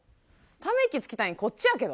ため息つきたいん、こっちやねんけど。